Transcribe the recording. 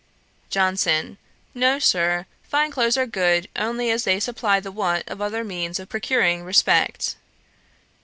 JOHNSON. 'No, Sir; fine clothes are good only as they supply the want of other means of procuring respect.